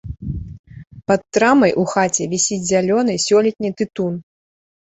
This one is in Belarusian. Пад трамай у хаце вісіць зялёны сёлетні тытун.